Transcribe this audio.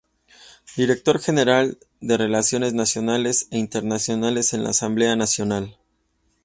Director General de Relaciones Nacionales e Internacionales en la Asamblea Nacional.